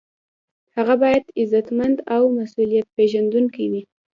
هغه باید عزتمند او مسؤلیت پیژندونکی وي.